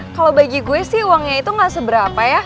kalau bagi gue sih uangnya itu gak seberapa ya